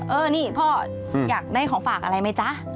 เออนี่พ่ออยากได้ของฝากอะไรไหมจ๊ะ